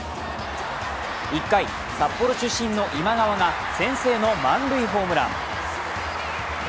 １回、札幌出身の今川が先制の満塁ホームラン。